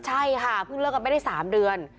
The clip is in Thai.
ใช่ค่ะเพิ่งเลิกกันไม่ได้๓เดือน